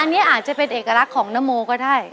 อันนี้อาจจะเป็นเอกลักษณ์ของนโมก็ได้